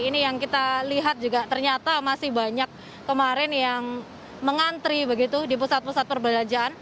ini yang kita lihat juga ternyata masih banyak kemarin yang mengantri begitu di pusat pusat perbelanjaan